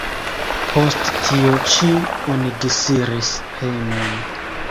Post tio ĉi oni disiris hejmen.